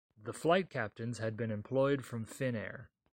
The flight captains had been employed from Finnair.